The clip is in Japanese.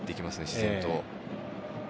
自然と。